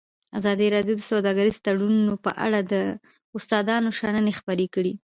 ازادي راډیو د سوداګریز تړونونه په اړه د استادانو شننې خپرې کړي.